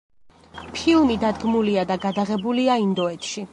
ფილმი დადგმულია და გადაღებულია ინდოეთში.